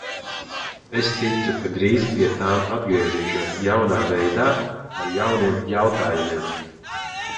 Es ticu, ka drīz pie tām atgriezīšos jaunā veidā ar jauniem jautājumiem.